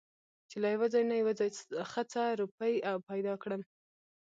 چې له يوه ځاى نه يو ځاى خڅه روپۍ پېدا کړم .